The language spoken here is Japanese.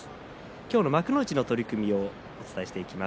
今日の幕内の取組をお伝えしていきます。